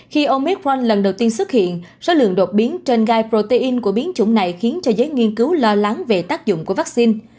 khi omec frank lần đầu tiên xuất hiện số lượng đột biến trên gai protein của biến chủng này khiến cho giới nghiên cứu lo lắng về tác dụng của vaccine